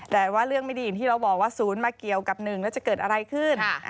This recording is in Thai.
แต่ว่าเรื่องไม่ดีอย่างที่เราบอกว่า๐มาเกี่ยวกับ๑แล้วจะเกิดอะไรขึ้น